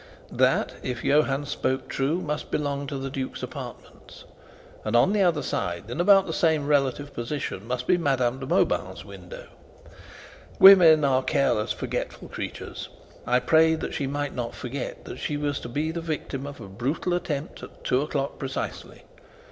That, if Johann spoke true, must belong to the duke's apartments; and on the other side, in about the same relative position, must be Madame de Mauban's window. Women are careless, forgetful creatures. I prayed that she might not forget that she was to be the victim of a brutal attempt at two o'clock precisely.